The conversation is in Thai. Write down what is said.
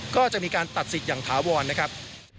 ก็จะมีการตัดสิทธิ์อย่างถาวรนะครับ